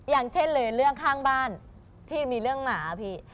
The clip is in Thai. อย่างเช่นเลยเรื่องข้างบ้านที่มีเรื่องหมาพี่